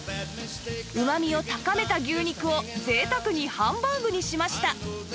うまみを高めた牛肉を贅沢にハンバーグにしました